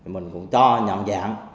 mình cũng cho nhận dạng